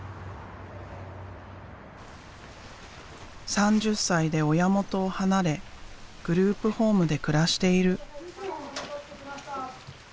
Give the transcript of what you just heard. ３０歳で親元を離れグループホームで暮らしている。